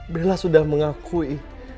bella sudah mengakui